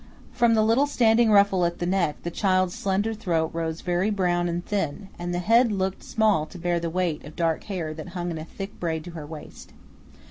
From the little standing ruffle at the neck the child's slender throat rose very brown and thin, and the head looked small to bear the weight of dark hair that hung in a thick braid to her waist.